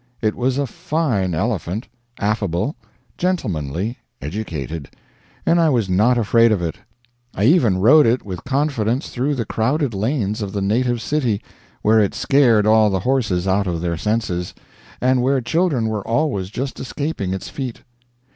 It was a fine elephant, affable, gentlemanly, educated, and I was not afraid of it. I even rode it with confidence through the crowded lanes of the native city, where it scared all the horses out of their senses, and where children were always just escaping its feet.